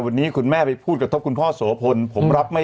วันนี้คุณแม่ไปพูดกระทบคุณพ่อโสพลผมรับไม่